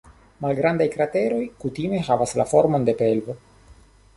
Malgrandaj krateroj kutime havas la formon de pelvo.